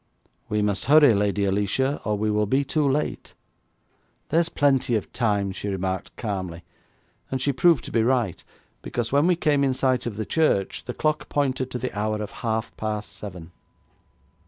'We must hurry, Lady Alicia, or we will be too late.' 'There is plenty of time,' she remarked calmly; and she proved to be right, because when we came in sight of the church, the clock pointed to the hour of half past seven.